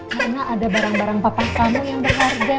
karena ada barang barang papa kamu yang berharga